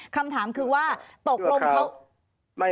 คำถามคือว่าตกลงเขา